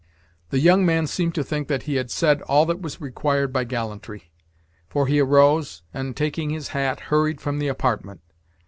The young man seemed to think that he had said all that was required by gallantry, for he arose, and, taking his hat, hurried from the apartment.